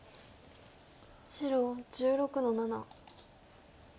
白１６の七。